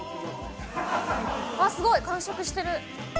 あっすごい完食してる。